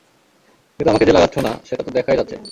কিন্তু আমাকে যে লাগাচ্ছ না, সেটা তো দেখাই যাচ্ছে!